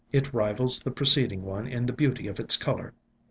It rivals the preceding one in the beauty of its color."